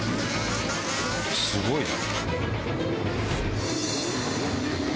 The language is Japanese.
すごいな。